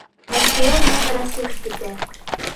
Әлфиә менән Рәсих китә.